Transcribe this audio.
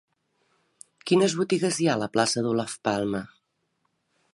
Quines botigues hi ha a la plaça d'Olof Palme?